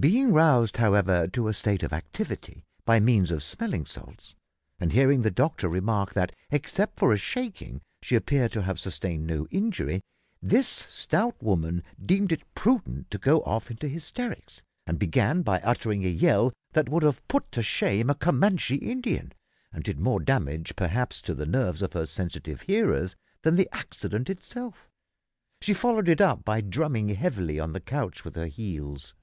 Being roused, however, to a state of activity by means of smelling salts, and hearing the doctor remark that, except a shaking, she appeared to have sustained no injury, this stout woman deemed it prudent to go off into hysterics, and began by uttering a yell that would have put to shame a Comanchee Indian, and did more damage, perhaps, to the nerves of her sensitive hearers than the accident itself. She followed it up by drumming heavily on the couch with her heels.